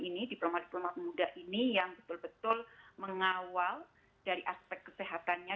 ini diprema diprema pemuda ini yang betul betul mengawal dari aspek kesehatannya